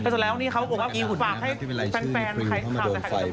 สังเกตุภาพที่เป็นไรชื่อในคลิมเข้ามาโดมไฟพอ